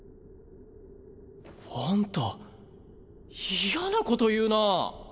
あんた嫌なこと言うなぁ。